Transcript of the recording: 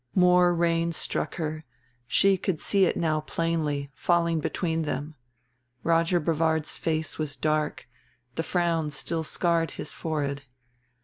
More rain struck her; she could see it now plainly, falling between them. Roger Brevard's face was dark, the frown still scarred his forehead.